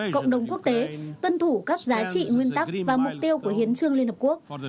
cộng đồng quốc tế tuân thủ các giá trị nguyên tắc và mục tiêu của hiến trương liên hợp quốc